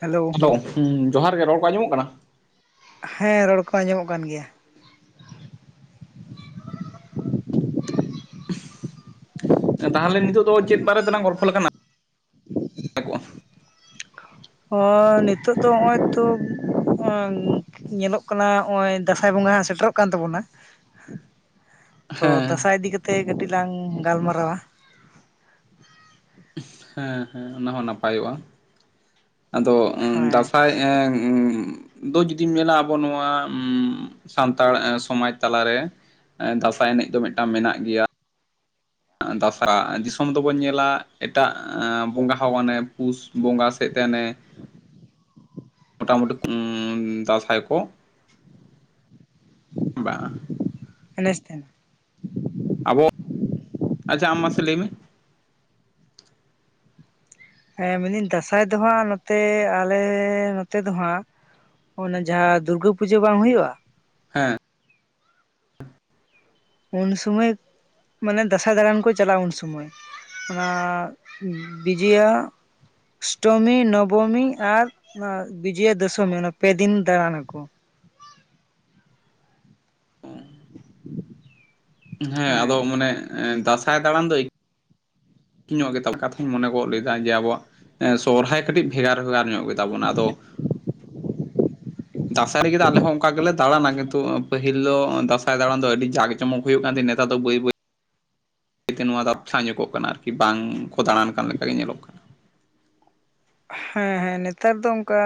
Hello. ᱦᱩᱸ ᱡᱚᱦᱟᱨ ᱜᱮ ᱨᱚᱲ ᱠᱚ ᱟᱸᱡᱚᱢᱚᱜ ᱠᱟᱱᱟ? ᱦᱮᱸ ᱨᱚᱲ ᱠᱚ ᱟᱸᱡᱚᱢᱚᱜ ᱠᱟᱱ ᱜᱮᱭᱟ᱾ ᱛᱟᱦᱚᱞᱮ ᱱᱤᱛᱚᱜ ᱫᱚ ᱪᱮᱫ ᱵᱟᱨᱮ ᱛᱮᱞᱟᱝ ᱜᱚᱞᱯᱚ ᱞᱮᱠᱷᱟᱱ ᱱᱟᱜ ᱚ ᱱᱤᱛᱳ ᱫᱚ ᱚᱭ ᱛᱚ ᱧᱮᱞᱚᱜ ᱠᱟᱱᱟ ᱱᱚᱭ ᱫᱟᱸᱥᱟᱭ ᱵᱚᱸᱜᱟ ᱦᱚᱸ ᱥᱮᱴᱮᱨᱚᱜ ᱠᱟᱱ ᱛᱟᱵᱚᱱᱟ᱾ ᱛᱚ ᱦᱮᱸ ᱫᱟᱸᱥᱟᱭ ᱤᱫᱤ ᱠᱟᱛᱮ ᱠᱟᱹᱴᱤᱡ ᱞᱟᱝ ᱜᱟᱞᱢᱟᱨᱟᱣᱟ᱾ ᱦᱮᱸ ᱦᱮᱸ ᱚᱱᱟ ᱦᱚᱸ ᱱᱟᱯᱟᱭᱚᱜᱟ ᱾ ᱟᱫᱚ ᱦᱮᱸ ᱫᱟᱸᱥᱟᱭ ᱮ ᱮ ᱫᱚ ᱡᱩᱫᱤᱢ ᱧᱮᱞᱟ ᱟᱵᱚ ᱱᱚᱣᱟ ᱥᱟᱱᱛᱟᱲ ᱥᱚᱢᱟᱡᱽ ᱛᱟᱞᱟᱨᱮ ᱫᱟᱸᱥᱟᱭ ᱮᱱᱮᱡ ᱫᱚ ᱢᱤᱫᱴᱟᱝ ᱢᱮᱱᱟᱜ ᱜᱮᱭᱟ ᱾ ᱫᱟᱸᱥᱟᱭ ᱫᱤᱥᱚᱢ ᱫᱚᱵᱚᱱ ᱧᱮᱞᱟ ᱮᱴᱟᱜ ᱵᱚᱸᱜᱟ ᱦᱚ ᱟᱱᱮ ᱯᱩᱥ ᱵᱚᱸᱜᱟ ᱥᱮᱫᱛᱮ ᱟᱱᱮ [unintelligible] ᱢᱳᱴᱟᱢᱩᱴᱤ ᱫᱟᱥᱟᱭ ᱠᱚ ᱵᱟᱝ ᱮᱱᱮᱥ ᱛᱟᱦᱮᱱᱟ ᱾ ᱟᱵᱚ ᱟᱪᱪᱷᱟ ᱟᱢ ᱢᱟᱥᱮ ᱞᱟᱹᱭ ᱢᱮ᱾ ᱦᱮᱸ ᱢᱮᱱᱫᱟᱹᱧ ᱫᱟᱸᱥᱟᱭ ᱫᱚ ᱦᱟᱸᱜ ᱱᱚᱛᱮ ᱟᱞᱮ ᱱᱚᱛᱮ ᱫᱚ ᱦᱟᱸᱜ ᱚᱱᱟ ᱡᱟᱦᱟᱸ ᱫᱩᱨᱜᱟᱹ ᱯᱩᱡᱟᱹ ᱵᱟᱝ ᱦᱩᱭᱩᱜ-ᱟ᱾ ᱦᱮᱸ᱾ ᱩᱱ ᱥᱚᱢᱚᱭ ᱢᱟᱱᱮ ᱫᱟᱸᱥᱟᱭ ᱫᱟᱬᱟᱱ ᱠᱚ ᱪᱟᱞᱟᱜ-ᱟ ᱩᱱ ᱥᱚᱢᱚᱭ ᱚᱱᱟ ᱵᱤᱡᱚᱭᱟ ᱚᱥᱴᱚᱢᱤ ᱱᱚᱵᱚᱢᱤ ᱟᱨ ᱚᱱᱟ ᱵᱤᱡᱚᱭᱟ ᱫᱚᱥᱚᱢᱤ ᱚᱱᱟ ᱯᱮ ᱫᱤᱱ ᱫᱟᱬᱟᱱᱟ ᱟᱠᱚ᱾ ᱦᱮᱸ ᱟᱫᱚ ᱢᱟᱱᱮ ᱫᱟᱸᱥᱟᱭ ᱫᱬᱟᱱ ᱫᱚ [inaudible] ᱠᱟᱛᱷᱟᱧ ᱢᱚᱱᱮ ᱜᱚᱫ ᱞᱮᱫᱟ ᱡᱮ ᱟᱵᱚᱣᱟᱜ ᱥᱚᱨᱦᱟᱭ ᱠᱟᱹᱴᱤᱡ ᱵᱷᱮᱜᱟᱨ ᱵᱷᱮᱜᱟᱨ ᱧᱚᱜ ᱜᱮᱛᱟᱵᱚᱱᱟ ᱟᱫᱚ [inaudible] ᱫᱟᱸᱥᱟᱭ ᱨᱮᱜᱮ ᱫᱚ ᱟᱞᱮ ᱦᱚᱸ ᱚᱱᱠᱟ ᱜᱮᱞᱮ ᱫᱟᱬᱟᱱᱟ ᱠᱤᱱᱛᱩ ᱯᱟᱹᱦᱤᱞ ᱫᱚ ᱫᱟᱸᱥᱟᱭ ᱫᱟᱬᱟᱱ ᱫᱚ ᱟᱹᱰᱤ ᱡᱟᱠ ᱡᱚᱢᱚᱠ ᱦᱩᱭᱩᱜ ᱠᱟᱱ ᱛᱟᱦᱮᱫ ᱱᱮᱛᱟᱨ ᱫᱚ ᱵᱟᱹᱭ ᱵᱟᱹᱭ ᱛᱮ ᱱᱚᱣᱟ ᱫᱚ ᱟᱯᱪᱷᱟ ᱧᱚᱜᱚᱜ ᱠᱟᱱᱟ ᱟᱨᱠᱤ ᱵᱟᱝ ᱠᱚ ᱫᱟᱬᱟᱱ ᱠᱟᱱ ᱞᱮᱠᱟ ᱜᱮ ᱧᱮᱞᱚᱜ ᱠᱟᱱᱟ᱾ ᱦᱮᱸ ᱦᱮᱸ ᱱᱮᱛᱟᱨ ᱫᱚ ᱚᱝᱠᱟ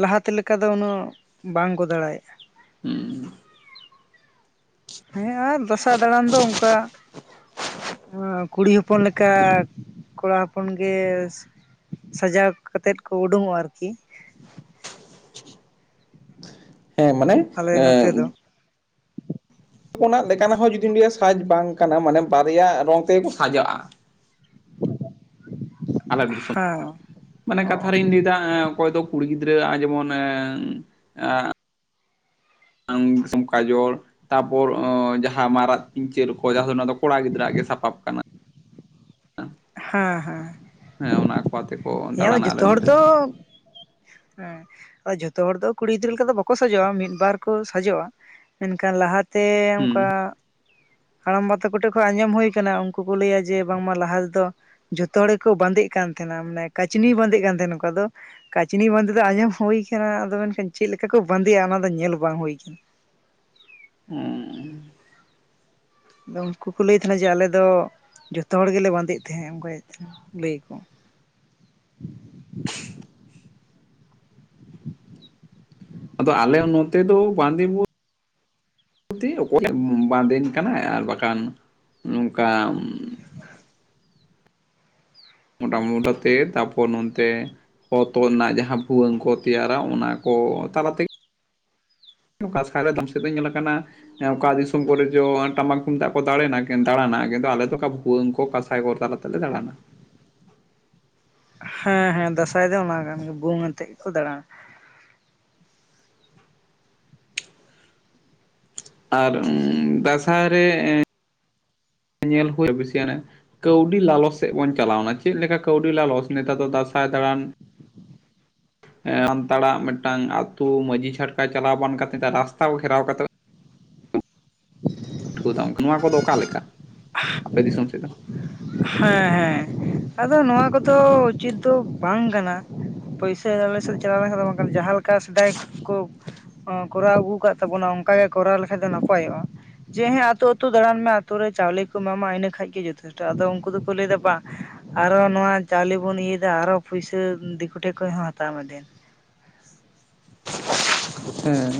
ᱞᱟᱦᱟᱛᱮ ᱞᱮᱠᱟ ᱫᱚ ᱩᱱᱟᱹᱜ ᱵᱟᱝ ᱠᱚ ᱫᱟᱲᱟᱭᱮᱜᱼᱟ᱾ [unintelligible] ᱦᱮᱸ ᱟᱨ ᱫᱟᱸᱥᱟᱭ ᱫᱟᱬᱟᱱ ᱫᱚ ᱚᱱᱠᱟ ᱠᱩᱲᱤ ᱦᱚᱯᱚᱱ ᱞᱮᱠᱟ ᱠᱚᱲᱟ ᱦᱚᱯᱚᱱ ᱜᱮ ᱥᱟᱡᱟᱣ ᱠᱟᱛᱮᱫ ᱠᱚ ᱩᱰᱩᱝᱚᱜᱼᱟ ᱟᱨᱠᱤ ᱦᱮᱸ ᱢᱟᱱᱮ ᱟᱞᱮ ᱱᱚᱛᱮ ᱫᱚ ᱦᱚᱯᱚᱱᱟᱜ ᱞᱮᱠᱟᱱᱟᱜ ᱦᱚᱸ ᱡᱩᱫᱤ ᱥᱟᱡᱽ ᱵᱟᱝ ᱠᱟᱱᱟ ᱢᱟᱱᱮ ᱵᱟᱨᱭᱟ ᱨᱚᱝ ᱛᱮᱜᱮ ᱠᱚ ᱥᱟᱡᱟᱜᱼᱟ ᱾ ᱟᱞᱟᱠ ᱫᱤᱥᱚᱢ ᱦᱮᱸ ᱢᱟᱱᱮ ᱚ ᱠᱟᱛᱷᱟ ᱨᱤᱧ ᱞᱟᱹᱭ ᱮᱫᱟ ᱚᱠᱚᱭ ᱫᱚ ᱠᱩᱲᱤ ᱜᱤᱫᱽᱨᱟᱹᱣᱟᱜ ᱡᱮᱢᱚᱱ ᱮᱸ [unintelligible] ᱠᱟᱡᱚᱞ ᱛᱟᱯᱚᱨ ᱡᱟᱦᱟᱸ ᱢᱟᱨᱟᱜ ᱯᱤᱧᱪᱟᱹᱨ ᱠᱚ ᱡᱟᱦᱟᱸ ᱫᱚ ᱠᱚᱲᱟ ᱜᱤᱫᱽᱨᱟᱹᱣᱟᱜ ᱜᱮ ᱥᱟᱯᱟᱵ ᱠᱟᱱᱟ᱾ ᱦᱮᱸ ᱦᱮᱸ ᱾ ᱦᱮᱸ ᱚᱱᱟ ᱠᱚ ᱟᱛᱮ ᱠᱚ ᱫᱟᱬᱟᱱᱟ ᱟᱞᱮ ᱦᱚᱲ ᱱᱚᱰᱮ᱾ ᱫᱚ ᱦᱮᱸ ᱡᱷᱚᱛᱚ ᱦᱚᱲ ᱫᱚ ᱠᱩᱲᱤ ᱜᱤᱫᱽᱨᱟᱹ ᱞᱮᱠᱟ ᱫᱚ ᱵᱟᱠᱚ ᱥᱟᱡᱚᱜᱼᱟ ᱢᱤᱫ ᱵᱟᱨ ᱠᱚ ᱥᱟᱡᱚᱜᱼᱟ ᱢᱮᱱᱠᱷᱟᱱ ᱞᱟᱦᱟ ᱛᱮ ᱚᱝᱠᱟ ᱦᱩᱸ ᱦᱟᱲᱟᱢ ᱵᱟ ᱛᱟᱠᱚᱴᱷᱮᱱ ᱠᱷᱚᱡ ᱟᱸᱡᱚᱢ ᱦᱩᱭ ᱟᱠᱟᱱᱟ ᱩᱱᱠᱩ ᱠᱚ ᱞᱟᱹᱭᱟ ᱡᱮ ᱵᱟᱝᱢᱟ ᱞᱟᱦᱟ ᱛᱮᱫᱚ ᱡᱚᱛᱚ ᱦᱚᱲ ᱜᱮᱠᱚ ᱵᱟᱸᱫᱮᱜ ᱠᱟᱱ ᱛᱟᱦᱮᱱᱟ ᱢᱟᱱᱮ ᱠᱟᱪᱱᱤ ᱵᱟᱸᱫᱮᱜ ᱠᱟᱱ ᱛᱟᱦᱮᱱᱟ ᱱᱚᱝᱠᱟ ᱫᱚ ᱠᱟᱪᱱᱤ ᱵᱟᱸᱫᱮ ᱫᱚ ᱟᱸᱡᱚᱢ ᱦᱩᱭ ᱠᱟᱱᱟ ᱟᱫᱚ ᱢᱮᱱᱠᱷᱟᱱ ᱪᱮᱫ ᱞᱮᱠᱟ ᱠᱚ ᱵᱟᱸᱫᱮᱜᱼᱟ ᱚᱱᱟᱫᱚ ᱧᱮᱞ ᱵᱟᱝ ᱦᱳᱭ ᱠᱟᱱᱟ᱾ ᱦᱩᱸᱻ ᱟᱫᱚ ᱩᱱᱠᱩ ᱠᱚ ᱞᱟᱹᱭᱮᱫ ᱛᱟᱦᱮᱱᱟ ᱡᱮ ᱟᱞᱮ ᱫᱚ ᱡᱚᱛᱚ ᱦᱚᱲ ᱜᱮᱞᱮ ᱵᱟᱸᱫᱮᱜ ᱛᱟᱦᱮᱸᱫ ᱚᱱᱠᱟᱭᱱᱟ ᱞᱟᱹᱭ ᱟᱠᱚ᱾ [unintelligible] ᱟᱫᱚ ᱟᱞᱮ ᱱᱚᱛᱮ ᱫᱚ ᱵᱟᱸᱫᱮ ᱵᱚᱞ ᱚᱠᱚᱭ ᱵᱟᱸᱫᱮᱱ ᱠᱟᱱᱟᱭ ᱟᱨ ᱵᱟᱠᱷᱟᱱ ᱱᱚᱝᱠᱟ ᱢᱳᱴ ᱢᱳᱴᱟ ᱛᱮ ᱛᱟᱯᱚᱨ ᱱᱚᱱᱛᱮ ᱦᱚᱛᱚᱛ ᱨᱮᱱᱟᱜ ᱡᱟᱦᱟᱸ ᱵᱷᱩᱣᱟᱹᱝ ᱠᱚ ᱛᱮᱭᱟᱨᱟ ᱚᱱᱟ ᱠᱚ ᱛᱟᱞᱟ ᱛᱮᱜᱮ ᱠᱟᱥ ᱨᱮ ᱫᱚᱢ ᱥᱮᱫ ᱫᱚ ᱧᱮᱞᱞᱟ ᱠᱟᱱᱟ ᱚᱠᱟ ᱫᱤᱥᱚᱢ ᱠᱚᱨᱮ ᱡᱚ ᱴᱟᱢᱟᱠ ᱛᱩᱢᱫᱟᱜ ᱠᱚ ᱫᱟᱲᱮ ᱫᱟᱬᱟᱱᱟ ᱠᱤᱱᱛᱩ ᱟᱞᱮ ᱫᱚ ᱚᱠᱟ ᱵᱷᱩᱣᱟᱹᱝ ᱠᱚ ᱠᱟᱸᱥᱟᱭ ᱠᱚ ᱛᱟᱞᱟᱛᱮ ᱛᱮᱞᱮ ᱫᱟᱬᱟᱱᱟ᱾ ᱦᱮᱸ ᱦᱮᱸ ᱫᱟᱸᱥᱟᱭ ᱫᱚ ᱚᱱᱟ ᱠᱟᱱ ᱜᱮᱭᱟ ᱵᱷᱩᱭᱟᱹᱝ ᱟᱛᱮᱜ ᱜᱮᱠᱚ ᱫᱟᱬᱟᱱᱟ᱾ ᱟᱨ ᱩᱸ ᱫᱟᱸᱥᱟᱭ ᱨᱮ ᱧᱮᱞ ᱦᱳᱭ ᱵᱮᱥᱤ ᱟᱱᱮ ᱠᱟᱹᱣᱰᱤ ᱞᱟᱞᱚᱪ ᱥᱮᱫ ᱵᱚᱱ ᱪᱟᱞᱟᱣᱱᱟ ᱪᱮᱫ ᱞᱮᱠᱟ ᱠᱟᱹᱣᱰᱤ ᱞᱟᱞᱚᱪ ᱱᱮᱛᱟᱨ ᱫᱚ ᱫᱟᱸᱥᱟᱭ ᱫᱟᱬᱟᱱ ᱥᱟᱱᱛᱟᱲᱟᱜ ᱢᱤᱫᱴᱟᱝ ᱟᱛᱩ ᱢᱟᱺᱡᱷᱤ ᱡᱷᱟᱴᱠᱟ ᱪᱟᱞᱟᱣ ᱵᱟᱟᱱ ᱠᱟᱛᱮ ᱨᱟᱥᱛᱟ ᱠᱚ ᱜᱷᱮᱨᱟᱣ ᱠᱟᱛᱮᱜ [unintelligible] ᱯᱟᱹᱴᱷᱩᱣᱟᱹ ᱫᱟᱢ ᱱᱚᱣᱟ ᱠᱚᱫᱚ ᱚᱠᱟᱮᱠᱟ ᱟᱯᱮ ᱫᱤᱥᱚᱢ ᱥᱮᱫ ᱫᱚ? ᱦᱮᱸ ᱦᱮᱸ ᱟᱫᱚ ᱱᱚᱣᱟ ᱠᱚᱫᱚ ᱩᱪᱤᱛ ᱫᱚ ᱵᱟᱝ ᱠᱟᱱᱟ᱾ ᱯᱩᱭᱥᱟᱹ ᱟᱞᱮ ᱥᱮᱫ ᱪᱟᱞᱟᱣ ᱞᱮᱱᱠᱷᱟᱱ ᱫᱚ ᱵᱟᱝᱠᱷᱟᱱ ᱡᱟᱦᱟᱸ ᱞᱮᱠᱟ ᱥᱮᱫᱟᱭ ᱠᱚ ᱠᱚᱨᱟᱣ ᱟᱹᱜᱩ ᱟᱠᱟᱜᱟ ᱛᱟᱵᱚᱱᱟ ᱚᱱᱠᱟᱜᱮ ᱠᱚᱨᱟᱣ ᱞᱮᱠᱷᱟᱡ ᱫᱚ ᱱᱟᱯᱟᱭᱚᱜᱼᱟ- ᱡᱮ ᱦᱮᱸ ᱟᱛᱳ ᱟᱹᱛᱳ ᱫᱟᱬᱟᱱ ᱢᱮ ᱟᱛᱳ ᱨᱮ ᱪᱟᱣᱞᱮ ᱠᱚ ᱮᱢᱟᱢᱟ ᱤᱱᱟᱹ ᱠᱷᱟᱱ ᱜᱮ ᱡᱚᱛᱷᱮᱥᱴᱚ᱾ ᱟᱫᱚ ᱩᱱᱠᱩ ᱫᱚᱠᱚ ᱞᱟᱭᱫᱚ ᱵᱟᱝ ᱟᱨᱚ ᱱᱚᱣᱟ ᱪᱟᱣᱞᱣ ᱵᱚᱱ ᱤᱭᱟᱹᱭᱮᱫᱟ ᱟᱨᱚ ᱯᱩᱭᱥᱟᱹ ᱫᱤᱠᱩ ᱴᱷᱮᱱ ᱠᱷᱚᱱᱦᱚ ᱦᱟᱛᱟᱣ ᱢᱮ ᱫᱮᱱ᱾ [unintelligible] ᱦᱮᱸ᱾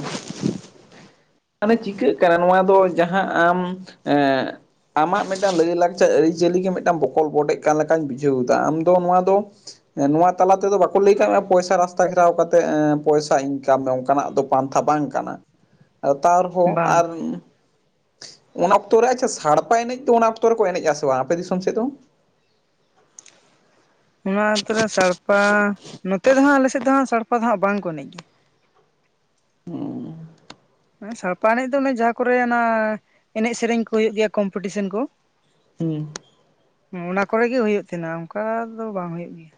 ᱢᱟᱱᱮ ᱪᱤᱠᱟᱹᱜ ᱠᱟᱱᱟ ᱱᱚᱣᱟ ᱫᱚ ᱡᱟᱦᱟᱸ ᱟᱢ ᱮᱸ ᱟᱢᱟᱜ ᱢᱤᱫᱴᱟᱱ ᱞᱟᱹᱭᱼᱞᱟᱠᱪᱟᱨ ᱟᱹᱨᱤᱪᱟᱹᱞᱤ ᱜᱮ ᱢᱤᱫᱴᱟᱝ ᱵᱚᱠᱚᱞ ᱵᱚᱰᱮᱡ ᱠᱟᱱ ᱞᱮᱠᱟᱧ ᱵᱩᱡᱷᱟᱹᱣ ᱫᱟ ᱟᱢ ᱫᱚ ᱱᱚᱣᱟ ᱫᱚ ᱱᱚᱣᱟ ᱛᱟᱞᱟ ᱛᱮᱫᱚ ᱵᱟᱠᱚ ᱞᱟᱹᱭ ᱠᱟᱜ ᱢᱮ ᱯᱚᱭᱥᱟ ᱨᱟᱥᱛᱟ ᱜᱷᱮᱨᱟᱣ ᱠᱟᱛᱮᱜ ᱯᱚᱭᱥᱟ ᱤᱱᱠᱟᱢ ᱢᱮ ᱚᱱᱠᱟᱱᱟᱜ ᱫᱚ ᱯᱟᱱᱛᱷᱟ ᱵᱟᱝ ᱠᱟᱱᱟ ᱟᱫᱚ ᱛᱟᱣ ᱨᱮᱦᱚᱸ ᱵᱟᱝ ᱟᱨ ᱠᱟᱱᱟ ᱩᱸ ᱚᱱᱟ ᱚᱠᱛᱚ ᱨᱮ ᱟᱪᱪᱷᱟ ᱥᱟᱲᱯᱟ ᱮᱱᱮᱡ ᱫᱚ ᱚᱱᱟ ᱚᱠᱛᱚ ᱨᱮᱠᱚ ᱮᱱᱮᱡ ᱟᱥᱮ ᱵᱟᱝ ᱟᱯᱮ ᱫᱤᱥᱚᱢ ᱥᱮᱫ ᱫᱚ? ᱚᱱᱟ ᱟᱳᱛ ᱨᱮ ᱥᱟᱲᱯᱟ ᱱᱚᱛᱮ ᱫᱚ ᱦᱟᱸᱜ ᱟᱞᱮᱥᱮᱫ ᱫᱚ ᱦᱟᱜ ᱥᱟᱲᱯᱟ ᱫᱚ ᱦᱟᱸᱜ ᱵᱟᱝ ᱠᱚ ᱮᱱᱮᱡ ᱜᱮᱭᱟ᱾ ᱦᱩᱸ ᱥᱟᱲᱯᱟ ᱮᱱᱮᱡ ᱫᱚ ᱚᱱᱮ ᱡᱟᱦᱟᱸ ᱠᱚᱨᱮ ᱚᱱᱟ ᱮᱱᱮᱡ ᱥᱮᱨᱮᱧ ᱠᱚ ᱦᱩᱭᱩᱜ ᱜᱮᱭᱟ ᱠᱚᱢᱯᱤᱴᱤᱥᱮᱱ ᱠᱚ᱾ ᱦᱩᱸ ᱚᱱᱟ ᱠᱚᱨᱮ ᱜᱮ ᱦᱳᱭᱳᱜ ᱛᱟᱦᱮᱸᱱᱟ ᱚᱱᱠᱟ ᱫᱚ ᱵᱟᱝ ᱦᱳᱭᱳᱜ ᱜᱮᱭᱟ᱾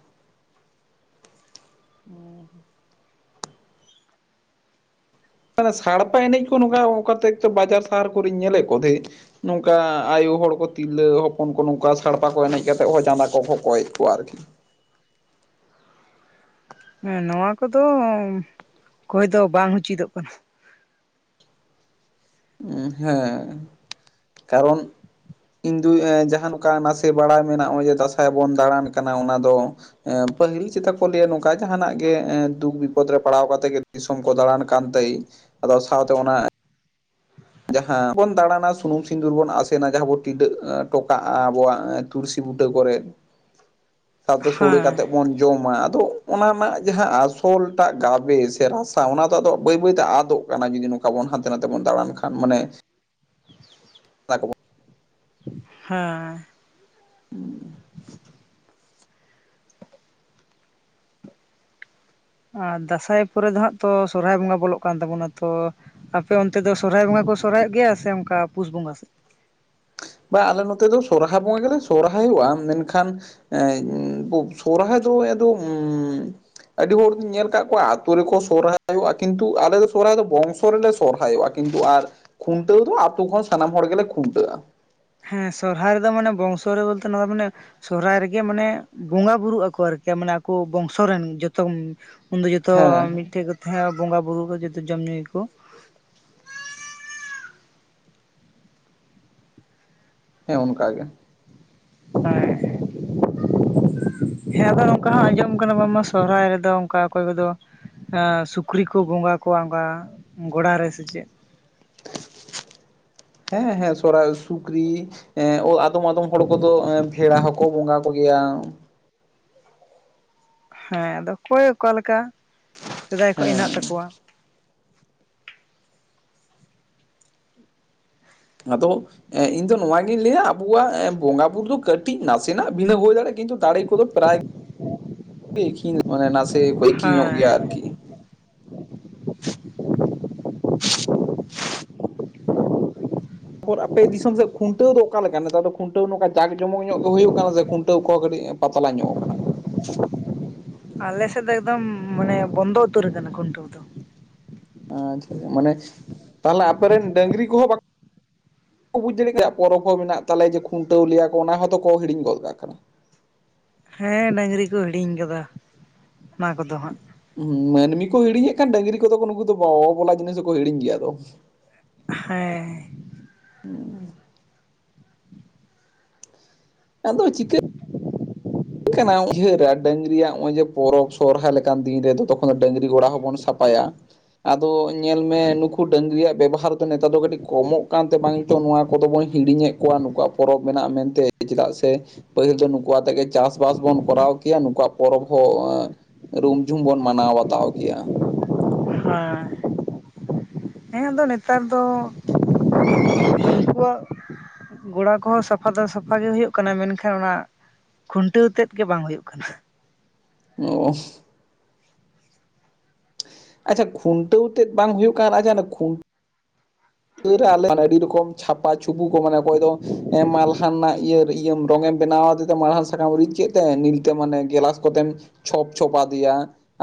ᱢᱟᱱᱮ ᱥᱟᱲᱯᱟ ᱮᱱᱮᱡ ᱠᱚ ᱱᱚᱝᱠᱟ ᱚᱱᱠᱟ ᱛᱮᱠᱛᱚ ᱵᱟᱡᱟᱨ ᱥᱟᱦᱟᱨ ᱠᱚᱨᱮᱧ ᱧᱮᱞᱮᱫ ᱠᱚ ᱛᱟᱦᱮᱸᱜ᱾ ᱱᱚᱝᱠᱟ ᱟᱭᱳ ᱦᱚᱲ ᱠᱚ ᱛᱤᱨᱞᱟᱹ ᱦᱚᱯᱚᱱ ᱠᱚ ᱱᱚᱝᱠᱟ ᱥᱟᱲᱯᱟ ᱠᱚ ᱮᱱᱮᱡ ᱠᱟᱛᱮᱫ ᱦᱚᱸ ᱪᱟᱸᱫᱟ ᱠᱚ ᱦᱚ ᱠᱚᱭᱮᱫ ᱠᱚᱣᱟ ᱟᱨᱠᱤ᱾ ᱦᱮᱸ ᱱᱚᱣᱟ ᱠᱚᱫᱚ ᱚᱠᱚᱭ ᱫᱚ ᱵᱟᱝ ᱩᱪᱤᱛᱚᱜ ᱠᱟᱱᱟ᱾ ᱩᱸ ᱦᱮᱸ ᱠᱟᱨᱚᱱ ᱤᱱ ᱫᱩ ᱡᱟᱦᱟᱸ ᱱᱚᱝᱠᱟ ᱱᱟᱥᱮ ᱵᱟᱲᱟᱭ ᱢᱮᱱᱟᱜᱼᱟ ᱱᱚᱜᱼᱚᱭ ᱡᱮ ᱫᱟᱸᱥᱟᱭ ᱵᱚᱱ ᱫᱟᱬᱟᱱ ᱠᱟᱱᱟ ᱚᱱᱟ ᱫᱚ ᱮᱸ ᱯᱟᱹᱦᱤᱞ ᱪᱮᱛᱟ ᱠᱚ ᱞᱟᱹᱭᱟ ᱱᱚᱝᱠᱟ ᱡᱟᱦᱟᱱᱟᱜ ᱜᱮ ᱮ ᱫᱩᱠ ᱵᱤᱯᱚᱫᱽ ᱨᱮ ᱯᱟᱲᱟᱣ ᱠᱟᱛᱮᱜ ᱜᱮ ᱫᱤᱥᱚᱢ ᱠᱚ ᱫᱟᱬᱟᱱ ᱠᱟᱱ ᱛᱮᱭ ᱟᱫᱚ ᱥᱟᱶᱛᱮ ᱚᱱᱟ ᱡᱟᱦᱟᱸ ᱵᱚᱱ ᱫᱟᱬᱟᱱᱟ ᱥᱩᱱᱩᱢ ᱥᱤᱸᱫᱩᱨ ᱵᱚᱱ ᱟᱥᱮᱱᱟ ᱡᱟᱦᱟᱸ ᱵᱚᱱ ᱴᱤᱰᱟᱹᱜ ᱴᱚᱠᱟᱜᱼᱟ ᱟᱵᱚᱣᱟᱜ ᱛᱩᱨᱥᱤ ᱵᱩᱴᱟᱹ ᱠᱚᱨᱮᱜ᱾ [inaudible] ᱥᱟᱶᱛᱮ ᱥᱳᱲᱮ ᱦᱮᱸ ᱠᱟᱛᱮᱫ ᱵᱚᱱ ᱡᱚᱢᱟ ᱟᱫᱚ ᱚᱱᱟ ᱨᱮᱱᱟᱜ ᱡᱟᱦᱟᱸ ᱟᱥᱚᱞᱴᱟᱜ ᱜᱟᱵᱮ ᱥᱮ ᱨᱟᱥᱟ ᱚᱱᱟ ᱫᱚ ᱟᱫᱚ ᱵᱟᱹᱭ ᱵᱟᱹᱭᱛᱮ ᱟᱫᱚᱜ ᱠᱟᱱᱟ ᱡᱩᱫᱤ ᱱᱚᱝᱠᱟ ᱵᱚᱱ ᱦᱟᱱᱛᱮ ᱱᱟᱛᱮ ᱵᱚᱱ ᱫᱟᱬᱟᱱ ᱠᱷᱟᱱ ᱢᱟᱱᱮ [inaudible] ᱦᱮᱸ᱾ [inaudible] ᱟᱸ ᱫᱟᱸᱥᱟᱭ ᱯᱚᱨᱮ ᱫᱚ ᱦᱟᱸᱜ ᱛᱚ ᱥᱚᱨᱦᱟᱭ ᱵᱚᱸᱜᱟ ᱵᱚᱞᱚᱜ ᱠᱟᱱ ᱛᱟᱵᱚᱱᱟ ᱛᱚ ᱟᱯᱮ ᱚᱱᱛᱮ ᱫᱚ ᱥᱚᱨᱦᱟᱭ ᱵᱚᱸᱜᱟ ᱠᱚ ᱥᱚᱨᱦᱟᱭᱚᱜ ᱜᱮᱭᱟ ᱥᱮ ᱚᱱᱠᱟ ᱯᱩᱥ ᱵᱚᱸᱜᱟ ᱥᱮᱫ? ᱵᱟ ᱟᱞᱮ ᱱᱚᱛᱮ ᱫᱚ ᱥᱚᱨᱦᱟᱭ ᱵᱚᱸᱜᱟ ᱜᱮᱞᱮ ᱥᱚᱨᱦᱟᱭᱚᱜᱼᱟ, ᱢᱮᱱᱠᱷᱟᱱ ᱮᱸ ᱥᱚᱨᱦᱟᱭ ᱫᱚ ᱮᱫᱚᱢ ᱟᱹᱰᱤ ᱦᱚᱲ ᱫᱩᱧ ᱧᱮᱞ ᱠᱟᱜ ᱠᱚᱣᱟ ᱟᱛᱳ ᱨᱮᱠᱚ ᱥᱚᱦᱨᱟᱭᱚᱜᱼᱟ ᱠᱤᱱᱛᱩ ᱟᱞᱮ ᱫᱚ ᱥᱚᱦᱨᱟᱭ ᱫᱚ ᱵᱚᱝᱥᱚ ᱨᱮᱞᱮ ᱥᱚᱨᱦᱟᱭᱚᱜᱼᱟ᱾ ᱠᱤᱱᱛᱩ ᱟᱨ ᱠᱷᱩᱱᱴᱟᱹᱣ ᱫᱚ ᱟᱛᱳ ᱠᱷᱚᱱ ᱥᱟᱱᱟᱢ ᱦᱚᱲ ᱜᱮᱞᱮ ᱠᱷᱩᱱᱴᱟᱹᱜᱼᱟ᱾ ᱦᱮᱸ ᱥᱚᱨᱦᱟᱭ ᱨᱮᱫᱚ ᱢᱟᱱᱮ ᱵᱚᱝᱥᱚ ᱨᱮ ᱵᱚᱞᱛᱮ ᱱᱚᱣᱟ ᱢᱟᱱᱮ ᱥᱚᱦᱨᱟᱭ ᱨᱮᱜᱮ ᱢᱟᱱᱮ ᱵᱚᱸᱜᱟ ᱵᱩᱨᱩᱜ ᱟᱠᱚ ᱟᱨᱠᱤ ᱢᱟᱱᱮ ᱟᱠᱚ ᱵᱚᱝᱥᱚ ᱨᱮᱱ ᱡᱚᱛᱚ᱾ ᱩᱱᱫᱚ ᱡᱚᱛᱚ ᱦᱮᱸ ᱢᱤᱫᱴᱷᱮᱡ ᱠᱚ ᱛᱟᱦᱮᱸ ᱵᱚᱸᱜᱟ ᱵᱩᱨᱩ ᱠᱚ ᱡᱚᱛᱚ ᱡᱚᱢ ᱧᱩᱭᱟᱠᱚ᱾ ᱦᱮᱸ ᱚᱱᱠᱟ ᱜᱮ᱾ [inaudible] ᱦᱮᱸ ᱟᱫᱚ ᱱᱚᱝᱠᱟ ᱦᱚᱸ ᱟᱸᱡᱚᱢ ᱠᱟᱱᱟ ᱵᱟᱝᱢᱟ ᱥᱚᱦᱨᱟᱭ ᱨᱮᱫᱚ ᱚᱱᱠᱟ ᱚᱠᱚᱭ ᱠᱚᱫᱚ ᱮᱸ ᱥᱩᱠᱨᱤ ᱠᱚ ᱵᱚᱸᱜᱟ ᱠᱚᱣᱟ ᱚᱱᱠᱟ ᱜᱚᱲᱟᱨ ᱨᱮ ᱥᱮ ᱪᱮᱫ? ᱦᱮᱸ ᱦᱮᱸ ᱥᱚᱦᱨᱟᱭ ᱨᱮ ᱥᱩᱠᱨᱤ ᱮᱸ [inaudible] ᱟᱫᱚᱢ ᱟᱫᱚᱢ ᱦᱚᱲ ᱠᱚᱫᱚ ᱵᱷᱮᱲᱟ ᱦᱚᱸᱠᱚ ᱵᱚᱸᱜᱟ ᱠᱚᱜᱮᱭᱟ᱾ ᱦᱮᱸ ᱟᱫᱚ ᱚᱠᱚᱭ ᱚᱠᱟ ᱞᱮᱠᱟ ᱥᱮᱫᱟᱭ ᱠᱷᱚᱡ ᱦᱮᱸ ᱦᱮᱱᱟᱜ ᱛᱟᱠᱚᱣᱟ᱾ ᱟᱫᱚ ᱤᱧ ᱫᱚ ᱱᱚᱣᱟ ᱜᱤᱧ ᱞᱟᱹᱭᱟ ᱟᱵᱚᱣᱟᱜ ᱵᱚᱸᱜᱟ ᱵᱩᱨᱩ ᱫᱚ ᱠᱟᱹᱴᱤᱡ ᱱᱟᱥᱮᱱᱟᱜ ᱵᱤᱱᱟᱹ ᱦᱩᱭ ᱫᱟᱲᱮᱜ ᱠᱤᱱᱛᱩ ᱫᱟᱲᱮ ᱠᱚᱫᱚ ᱯᱨᱟᱭ [inaudible] ᱮᱠᱤ ᱢᱟᱱᱮ ᱱᱟᱥᱮ ᱠᱚ ᱮᱠᱤ ᱪᱚᱜ ᱜᱮᱭᱟ ᱦᱮᱸ ᱟᱨᱠᱤ᱾ ᱯᱚᱨ ᱟᱯᱮ ᱫᱤᱥᱚᱢ ᱥᱮᱫ ᱠᱷᱩᱱᱴᱟᱹᱣ ᱫᱚ ᱚᱠᱟ ᱞᱮᱠᱟ ᱱᱮᱛᱟᱨ ᱫᱚ ᱠᱷᱩᱱᱴᱟᱹᱣ ᱱᱚᱝᱠᱟ ᱡᱟᱠ ᱡᱚᱢᱚᱠ ᱧᱚᱜ ᱜᱮ ᱦᱩᱭᱩᱜ ᱠᱟᱱᱟ ᱥᱮ ᱠᱷᱩᱱᱴᱟᱹᱣ ᱠᱚ ᱠᱟᱹᱴᱤᱡ ᱯᱟᱛᱞᱟ ᱧᱚᱜ ᱟᱠᱟᱱᱟ? ᱟᱞᱮ ᱥᱮᱫ ᱫᱚ ᱮᱠᱫᱚᱢ ᱢᱟᱱᱮ ᱵᱚᱱᱫᱚ ᱩᱛᱟᱹᱨ ᱟᱠᱟᱱᱟ ᱠᱷᱩᱱᱴᱟᱹᱣ ᱫᱚ᱾ ᱟᱪᱪᱷᱟ ᱪᱟᱷᱟ ᱢᱟᱱᱮ ᱛᱟᱦᱟᱞᱮ ᱟᱯᱮ ᱨᱮᱱ ᱰᱟᱹᱝᱨᱤ ᱠᱚᱦᱚᱸ ᱵᱟ ᱵᱩᱡᱽ ᱫᱟᱲᱮ [inaudible] ᱯᱚᱨᱚᱵᱽ ᱦᱚᱸ ᱢᱮᱱᱟᱜ ᱛᱟᱞᱮᱭᱟ ᱡᱮ ᱠᱷᱩᱱᱴᱟᱹᱣ ᱞᱮᱭᱟ ᱠᱚ ᱚᱱᱟ ᱦᱚᱸᱛᱚ ᱠᱚ ᱦᱤᱲᱤᱧ ᱜᱚᱫ ᱠᱟᱜ ᱠᱟᱱᱟ᱾ ᱦᱮᱸ ᱰᱟᱹᱝᱨᱤ ᱠᱚ ᱦᱤᱲᱤᱧ ᱟᱠᱟᱫᱟ ᱚᱱᱟ ᱠᱚᱫᱚ ᱦᱟᱸᱜ᱾ ᱦᱩᱸ ᱢᱟᱹᱱᱢᱤ ᱠᱚ ᱦᱤᱲᱤᱧᱮᱫ ᱠᱷᱟᱱ ᱰᱝᱨᱤ ᱠᱚᱫᱚ ᱠᱚ ᱱᱩᱠᱩ ᱫᱚ ᱵᱟ ᱚᱵᱚᱞᱟ ᱡᱤᱱᱤᱥ ᱫᱚᱠᱚ ᱦᱤᱲᱤᱧ ᱜᱮᱭᱟ ᱛᱚ᱾ ᱦᱮᱸ᱾ ᱟᱫᱚ ᱪᱤᱠᱟᱹ ᱠᱟᱱᱟ ᱩᱭᱦᱟᱹᱨᱟ ᱰᱟᱹᱝᱨᱤᱭᱟᱜ ᱦᱚᱸᱜᱼᱚᱭ ᱡᱮ ᱯᱚᱨᱚᱵᱽ ᱥᱚᱨᱦᱟᱭ ᱞᱮᱠᱟᱱ ᱫᱤᱱ ᱨᱮ ᱫᱚ ᱛᱚᱠᱷᱚᱱ ᱫᱚ ᱰᱟᱹᱝᱨᱤ ᱜᱚᱲᱟ ᱦᱚᱸᱵᱚᱱ ᱥᱟᱯᱟᱭᱟ᱾ ᱟᱫᱚ ᱧᱮᱞ ᱢᱮ ᱱᱩᱠᱩ ᱰᱟᱹᱝᱨᱤᱭᱟᱜ ᱵᱮᱵᱚᱦᱟᱨ ᱫᱚ ᱱᱮᱛᱟᱨ ᱫᱚ ᱠᱟᱹᱴᱤᱡ ᱠᱚᱢᱚᱜ ᱠᱟᱱᱛᱮ ᱵᱟᱝ ᱪᱚ ᱱᱚᱣᱟ ᱠᱚᱫᱚ ᱵᱚᱱ ᱦᱤᱲᱤᱧᱮᱫ ᱠᱚᱣᱟ ᱱᱩᱠᱩᱣᱟᱜ ᱯᱚᱨᱚᱵᱽ ᱢᱮᱱᱟᱜᱼᱟ ᱢᱮᱱᱛᱮ ᱪᱮᱫᱟᱜ ᱥᱮ ᱯᱟᱹᱦᱤᱞ ᱫᱚ ᱱᱩᱠᱩ ᱟᱛᱮᱜᱮ ᱪᱟᱥᱵᱟᱥ ᱵᱚᱱ ᱠᱚᱨᱟᱣ ᱠᱮᱭᱟ ᱱᱩᱠᱩᱣᱟᱜ ᱯᱚᱨᱚᱵᱽ ᱦᱚᱸ ᱨᱩᱢ ᱡᱷᱩᱢ ᱵᱚᱱ ᱢᱟᱱᱟᱣ ᱵᱟᱛᱟᱣ ᱠᱮᱭᱟ᱾ ᱦᱮᱸ᱾ ᱦᱮᱸ ᱟᱫᱚ ᱱᱮᱛᱟᱨ ᱫᱚ ᱩᱱᱠᱩᱣᱟᱜ ᱜᱚᱲᱟ ᱠᱚᱦᱚᱸ ᱥᱟᱯᱷᱟ ᱫᱚ ᱥᱟᱯᱷᱟ ᱜᱮ ᱦᱩᱭᱩᱜ ᱠᱟᱱᱟ, ᱢᱮᱱᱠᱷᱟᱱ ᱚᱱᱟ ᱠᱷᱩᱱᱴᱟᱹᱣ ᱛᱮᱫ ᱜᱮ ᱵᱟᱝ ᱦᱩᱭᱩᱜ ᱠᱟᱱᱟ᱾ ᱚᱻ ᱟᱪᱪᱷᱟ ᱠᱷᱩᱱᱴᱟᱹᱣ ᱛᱮᱫ ᱵᱟᱝ ᱦᱩᱭᱩᱜ ᱠᱟᱱᱟ ᱟᱪᱪᱷᱟ ᱠᱷᱩᱱ ᱴᱟᱹᱣ ᱨᱮ ᱟᱞᱮ ᱟᱹᱰᱤ ᱨᱚᱠᱚᱢ ᱪᱷᱟᱯᱟ ᱪᱷᱩᱵᱤ ᱠᱚ ᱢᱟᱱᱮ ᱚᱠᱚᱭ ᱫᱚ ᱢᱟᱞᱦᱟᱱ ᱨᱮᱱᱟᱜ ᱤᱭᱟᱹ ᱤᱭᱟᱹ ᱨᱚᱝ ᱮᱢ ᱵᱮᱱᱟᱣ ᱟᱫᱮᱛᱮ ᱢᱟᱞᱦᱟᱱ ᱥᱟᱠᱟᱢ ᱨᱤᱫ ᱠᱮᱫ ᱛᱮ ᱱᱤᱞᱛᱮ ᱢᱟᱱᱮ ᱜᱮᱞᱟᱥ ᱠᱚᱛᱮᱢ ᱪᱷᱚᱯ ᱪᱷᱚᱯ ᱟᱫᱮᱭᱟ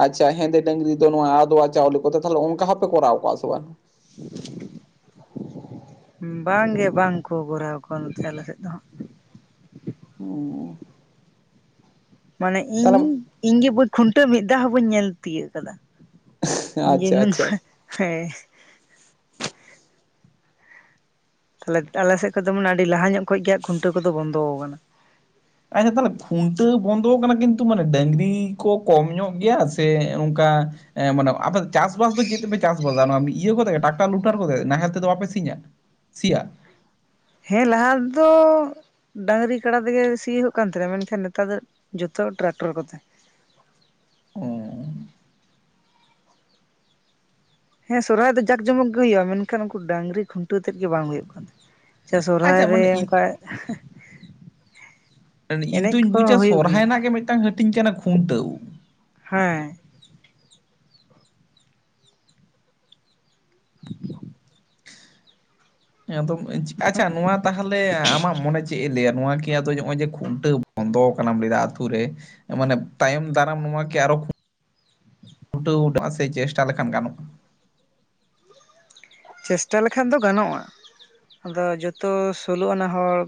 ᱟᱪᱪᱷᱟ ᱦᱮᱸᱫᱮ ᱰᱟᱝᱨᱤ ᱫᱚ ᱱᱚᱣᱟ ᱟᱫᱣᱟ ᱪᱟᱣᱞᱮ ᱠᱚᱫᱚ ᱛᱟᱦᱚᱞᱮ ᱚᱱᱠᱟ ᱦᱚᱸᱯᱮ ᱠᱚᱨᱟᱣ ᱟᱠᱚᱣᱟ ᱥᱮ ᱵᱟᱝ? [inaudible] ᱵᱟᱝ ᱜᱮ ᱵᱟᱝ ᱠᱚ ᱠᱚᱨᱟᱣ ᱠᱚᱣᱟ ᱱᱚᱛᱮ ᱟᱞᱮ ᱥᱮᱫ ᱫᱚ [unintelligible] ᱢᱟᱱᱮ ᱤᱧ ᱛᱟᱦᱚᱞᱮ ᱤᱧ ᱜᱮ [unintelligible] ᱠᱷᱩᱱᱴᱟᱹᱣ ᱢᱤᱫ ᱫᱷᱟᱣ ᱦᱚᱸ ᱵᱟᱹᱧ ᱧᱮᱞ ᱛᱤᱭᱳᱜ ᱠᱟᱫᱟ᱾ ᱟᱪᱪᱷᱟ ᱟᱪᱪᱷᱟ [unintelligible] ᱦᱮᱸ ᱛᱟᱦᱞᱮ ᱟᱞᱮ ᱥᱮᱫ ᱠᱷᱚᱡ ᱢᱟᱱᱮ ᱟᱹᱰᱤ ᱞᱟᱦᱟ ᱧᱚᱜ ᱠᱷᱚᱡ ᱜᱮ ᱠᱷᱩᱱᱴᱟᱹᱣ ᱠᱚᱫᱚ ᱵᱚᱱᱫᱚ ᱟᱠᱟᱱᱟ᱾ ᱟᱪᱪᱷᱟ ᱛᱟᱦᱚᱞᱮ ᱠᱷᱩᱱᱴᱟᱹᱣ ᱵᱚᱱᱫᱚ ᱠᱟᱱᱟ ᱠᱤᱱᱛᱩ ᱢᱟᱱᱮ ᱰᱟᱹᱝᱨᱤ ᱠᱚ ᱠᱚᱢ ᱧᱚᱜ ᱜᱮᱭᱟ ᱥᱮ ᱚᱝᱠᱟ ᱚᱻ ᱢᱟᱱᱮ ᱟᱯᱮ ᱪᱟᱥᱵᱟᱥ ᱫᱚ ᱪᱮᱫ ᱛᱮᱯᱮ ᱪᱟᱥ ᱵᱟᱥᱟ ᱤᱭᱟᱹ ᱠᱚᱫᱚ ᱴᱟᱠᱴᱟᱨ ᱞᱩᱴᱟᱨ ᱱᱟᱦᱮᱞ ᱛᱮᱫᱚ ᱥᱤᱭᱟ ᱥᱤᱭᱟ᱾ ᱦᱮᱸ ᱞᱟᱦᱟ ᱛᱮᱫᱚ ᱰᱟᱹᱝᱨᱤ ᱠᱟᱰᱟ ᱛᱮᱜᱮ ᱥᱤᱭ ᱦᱩᱭᱩᱜ ᱠᱟᱱ ᱛᱟᱦᱮᱱᱟ ᱢᱮᱱᱠᱷᱟᱱ ᱱᱮᱛᱟᱨ ᱫᱚ ᱡᱚᱛᱚ ᱴᱨᱟᱠᱴᱚᱨ ᱠᱚᱛᱮ᱾ ᱚ ᱦᱮᱸ ᱥᱚᱨᱚᱦᱟᱭ ᱫᱚ ᱡᱟᱠ ᱡᱚᱢᱚᱠ ᱜᱮ ᱦᱩᱭᱩᱜᱼᱟ᱾ ᱢᱮᱱᱠᱷᱟᱱ ᱩᱱᱠᱩ ᱰᱟᱝᱨᱤ ᱠᱷᱩᱱᱴᱟᱹᱣ ᱛᱮᱫ ᱜᱮ ᱵᱟᱝ ᱦᱩᱭᱩᱜ ᱠᱟᱱᱟ᱾ ᱥᱚᱨᱦᱟᱭ ᱟᱪᱪᱷᱟ ᱨᱮ ᱢᱟᱱᱮ ᱤᱧ ᱚᱱᱠᱟ ᱤᱧ ᱮᱱᱮᱡ ᱫᱚᱩᱧ ᱠᱚ ᱵᱩᱡᱟ ᱦᱩᱭᱩᱜ ᱥᱚᱨᱦᱟᱭ ᱜᱮᱭᱟ ᱨᱮᱱᱟᱜ ᱜᱮ ᱢᱤᱫᱴᱟᱝ ᱦᱟᱹᱴᱤᱧ ᱠᱟᱱᱟ ᱠᱷᱩᱱᱴᱟᱹᱣ᱾ ᱦᱮᱸ᱾ [inaudible] ᱮᱫᱚᱢ [unintelligible] ᱟᱪᱪᱷᱟ ᱱᱚᱣᱟ ᱛᱟᱦᱚᱞᱮ ᱟᱢᱟᱜ ᱢᱚᱱᱮ ᱪᱮᱫ ᱮ ᱞᱟᱹᱭᱟ ᱛᱟᱦᱟᱞᱮ ᱟᱢᱟᱜ ᱢᱚᱱᱮ ᱪᱮᱫ ᱞᱮᱭᱟ ᱱᱚᱣᱟ ᱠᱤ ᱟᱫᱚ ᱱᱚᱜᱼᱚᱭ ᱡᱮ ᱠᱷᱩᱱᱴᱟᱹ ᱵᱚᱱᱫᱚ ᱟᱠᱟᱱᱟ ᱟᱛᱳ ᱨᱮ? ᱢᱟᱱᱮ ᱛᱟᱭᱚᱢ ᱫᱟᱨᱟᱢ ᱱᱚᱣᱟ ᱠᱤ ᱟᱨᱚ ᱴᱷᱩᱠᱟᱹᱣ [unintelligible] ᱪᱮᱥᱴᱟ ᱞᱮᱠᱷᱟᱱ ᱜᱟᱱᱚᱜᱼᱟ? ᱪᱮᱥᱴᱟ ᱞᱮᱠᱷᱟᱱ ᱫᱚ ᱜᱟᱱᱚᱜᱼᱟ᱾ ᱟᱫᱚ ᱡᱚᱛᱚ ᱥᱳᱞᱳ ᱟᱱᱟ ᱦᱚᱲ?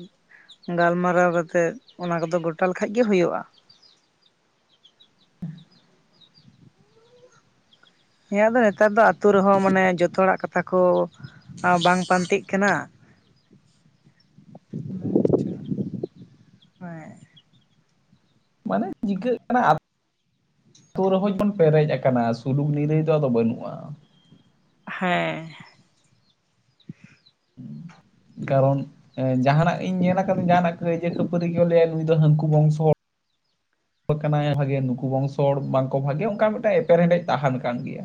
ᱜᱟᱞᱢᱟᱨᱟᱣ ᱠᱟᱛᱮᱫ ᱚᱱᱟ ᱠᱚᱫᱚ ᱜᱚᱴᱟ ᱞᱮᱠᱷᱟᱡ ᱜᱮ ᱦᱩᱭᱩᱜᱼᱟ᱾ ᱦᱮᱸ ᱟᱫᱚ ᱱᱮᱛᱟᱨ ᱫᱚ ᱟᱹᱛᱩ ᱨᱮᱦᱚᱸ ᱢᱟᱱᱮ ᱡᱚᱛᱚ ᱦᱚᱲᱟᱜ ᱠᱟᱛᱷᱟ ᱠᱚ ᱵᱟᱝ ᱯᱟᱱᱛᱮᱜ ᱠᱟᱱᱟ᱾ [unintelligible] ᱢᱟᱱᱮ ᱪᱤᱠᱟᱹᱜ ᱠᱟᱱᱟ ᱟᱹᱛᱩ [unintelligible] ᱵᱚᱱ ᱯᱮᱨᱮᱡ ᱟᱠᱟᱱᱟ ᱥᱩᱞᱩᱠ ᱱᱤᱨᱟᱹᱭ ᱟᱫᱚ ᱵᱟᱹᱱᱩᱜᱼᱟ᱾ ᱦᱮᱸ᱾ ᱦᱩᱸ᱾ ᱠᱟᱨᱚᱱ ᱡᱟᱦᱟᱱᱟᱜ ᱤᱧ ᱧᱮᱞ ᱟᱠᱟᱫᱟ ᱡᱟᱦᱟᱱᱟᱜ ᱠᱟᱹᱭᱡᱟᱹ ᱠᱷᱟᱹᱯᱟᱹᱨᱤ ᱜᱮ ᱞᱟᱹᱭᱟ ᱱᱩᱭ ᱫᱚ ᱦᱟᱹᱱᱠᱩ ᱵᱚᱝᱥᱚ [inaudible] ᱠᱟᱱᱟᱭ ᱵᱷᱟᱜᱮ ᱱᱩᱠᱩ ᱵᱚᱝᱥᱚ ᱦᱚᱲ ᱵᱟᱝᱠᱚ ᱵᱷᱟᱜᱮ ᱚᱱᱠᱟ ᱢᱤᱫᱴᱟᱝ ᱮᱯᱮᱨᱦᱮᱰᱮᱡ ᱛᱟᱦᱮᱱ ᱠᱟᱱ ᱜᱮᱭᱟ᱾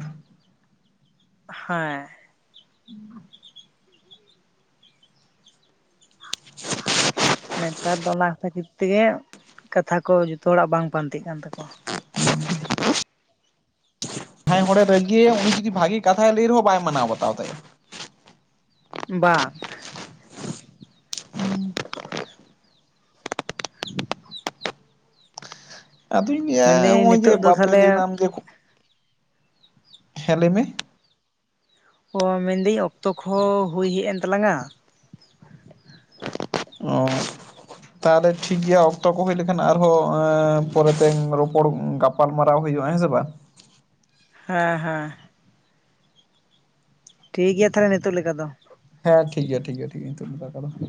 ᱦᱮᱸ᱾ [inaudible] ᱱᱮᱛᱟᱨ ᱫᱚ ᱚᱱᱟ ᱠᱷᱟᱹᱛᱤᱨ ᱛᱮᱜᱮ ᱠᱟᱛᱷᱟ ᱠᱚ ᱡᱚᱛᱚ ᱦᱚᱲᱟᱜ ᱵᱟᱝ ᱯᱟᱱᱛᱮᱜ ᱠᱟᱱ ᱛᱟᱠᱚᱣᱟ᱾ [inaudible] ᱦᱮᱸ ᱡᱟᱦᱟᱭ ᱦᱚᱲᱮ ᱨᱟᱹᱜᱤᱭᱟᱭ ᱩᱱᱤ ᱡᱩᱫᱤ ᱵᱷᱟᱜᱤ ᱠᱟᱛᱷᱟᱭ ᱞᱟᱹᱭ ᱨᱮᱦᱚᱸ ᱵᱟᱭ ᱢᱟᱱᱟᱣ ᱵᱟᱛᱟᱣ ᱛᱟᱭᱟ᱾ ᱵᱟᱝ [inaudible] ᱟᱫᱚᱧ ᱞᱟᱹᱭᱟ ᱢᱮᱱᱫᱟᱹᱧ ᱱᱚᱜᱼᱚᱭ ᱡᱮ ᱱᱤᱛᱚᱜ ᱫᱚ ᱵᱟᱯᱮ ᱛᱟᱦᱚᱞᱮ [unintelligible] ᱦᱮᱸ ᱞᱟᱹᱭ ᱢᱮ᱾ ᱚ ᱢᱮᱱᱫᱟᱹᱧ ᱚᱠᱛᱚ ᱠᱩᱦᱚ ᱦᱩᱭ ᱦᱮᱡ ᱮᱱ ᱛᱟᱞᱟᱝᱟ ᱾ [unintelligible] ᱛᱟᱦᱚᱞᱮ ᱴᱷᱤᱠ ᱜᱮᱭᱟ ᱚᱠᱛᱚ ᱠᱚ ᱦᱩᱭ ᱞᱮᱠᱷᱟᱱ ᱟᱨᱦᱚᱸ ᱮᱸ ᱯᱚᱨᱮᱛᱮ ᱨᱚᱯᱚᱲ ᱜᱟᱯ ᱜᱟᱯᱟᱞᱢᱟᱨᱟᱣ ᱦᱩᱭᱩᱜᱼᱟ ᱦᱮᱸ ᱥᱮ ᱵᱟᱝ ᱾ ᱦᱮᱸ ᱦᱮᱸ ᱾ ᱴᱷᱤᱠ ᱜᱮᱭᱟ ᱛᱟᱦᱚᱞᱮ ᱱᱤᱛᱚᱜ ᱞᱮᱠᱟ ᱫᱚ ᱾ ᱦᱮᱸ ᱴᱷᱤᱠ ᱜᱮᱭᱟ ᱴᱷᱤᱠ ᱜᱮᱭᱟ ᱴᱷᱤᱠ ᱜᱮᱭᱟ ᱱᱤᱛᱚᱜ ᱞᱮᱠᱟ ᱫᱚ ᱾